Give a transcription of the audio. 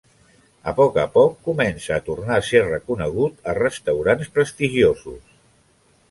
A poc a poc comença a tornar a ser reconegut a restaurants prestigiosos.